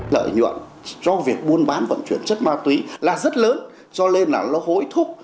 lợi nhuận cho việc buôn bán vận chuyển chất ma túy là rất lớn cho nên là nó hối thúc